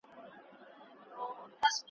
ابليس وواهه پر مخ باندي په زوره ,